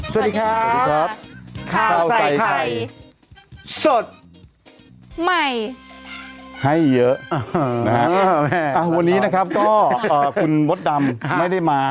สวัสดีครับข้าวใส่ไทยสดใหม่ให้เยอะนะครับวันนี้นะครับก็คุณบ๊อตดำไม่ได้มา